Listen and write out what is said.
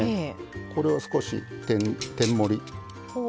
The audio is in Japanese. これを少し天盛り。